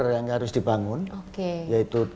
yang harus dibangun yaitu